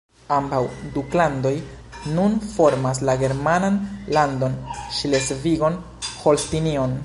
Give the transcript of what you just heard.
Ambaŭ duklandoj nun formas la germanan landon Ŝlesvigon-Holstinion.